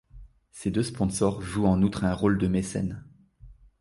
Ces deux sponsors jouent en outre un rôle de mécènes.